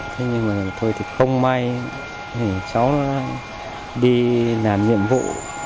thế nhưng mà thôi thì không may cháu đi làm nhiệm vụ